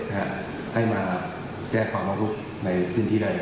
ให้มาแจ้งความว่าลูกในพื้นที่ได้